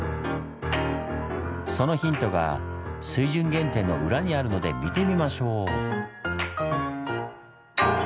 そのヒントが水準原点の裏にあるので見てみましょう！